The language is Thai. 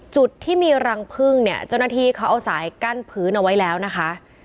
จุดที่มีรังพึ่งเนี่ยเจ้าหน้าที่เขาเอาสายกั้นพื้นเอาไว้แล้วนะคะ